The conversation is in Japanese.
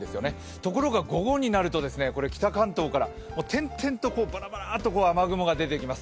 ところが午後になると北関東から点々とバラバラと雨雲が出てきます。